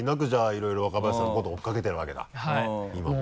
いろいろ若林さんのことを追っかけてるわけだ今も。